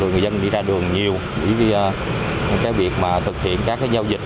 người dân đi ra đường nhiều với cái việc mà thực hiện các cái giao dịch